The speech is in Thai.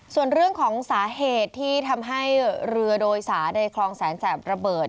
ส่วนเรื่องของสาเหตุที่ทำให้เรือโดยสาในคลองแสนแสบระเบิด